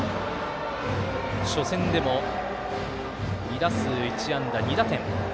初戦でも２打数１安打２打点。